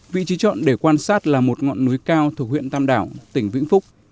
vị trí chọn để quan sát là một ngọn núi cao thuộc huyện tam đảo tỉnh vĩnh phúc